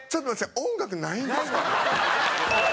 音楽ないんですか？